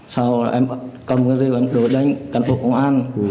sau đó em cầm rượu em đuổi đến cán bộ công an